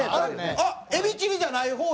あっエビチリじゃない方や。